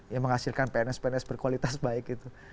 yang menghasilkan pns pns berkualitas baik itu